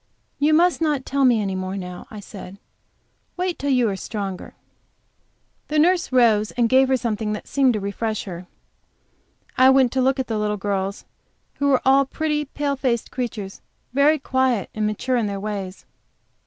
"You must not tell me any more now," I said. "Wait till you are stronger." The nurse rose and gave her something which seemed to refresh her. I went to look at the little girls, who were all pretty, pale faced creatures, very quiet and mature in their ways.